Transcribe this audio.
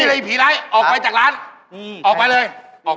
จะไปไล่ลูกค้าเขาอีก